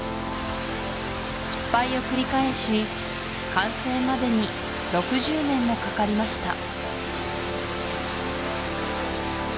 失敗を繰り返し完成までに６０年もかかりました